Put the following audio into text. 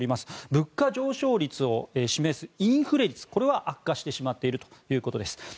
物価上昇率を示すインフレ率は悪化してしまっているということです。